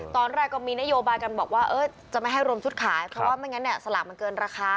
ตอนแรกก็มีนโยบายกันบอกว่าจะไม่ให้รวมชุดขายเพราะว่าไม่งั้นเนี่ยสลากมันเกินราคา